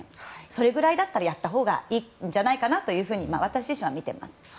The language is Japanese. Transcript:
それぐらいだったらやったほうがいいんじゃないかなと私自身は見ています。